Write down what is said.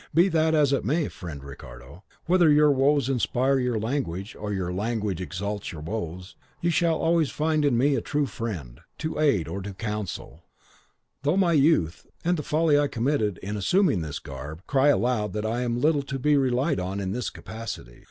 Be that as it may, friend Ricardo,—whether your woes inspire your language, or your language exalts your woes,—you shall always find in me a true friend, to aid or to counsel, though my youth, and the folly I committed in assuming this garb, cry aloud that I am little to be relied on in this capacity.